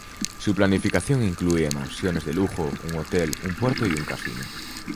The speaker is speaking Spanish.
Su planificación incluía mansiones de lujo, un hotel, un puerto y un casino.